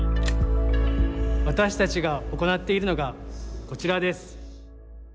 私たちが行っているのがこちらです。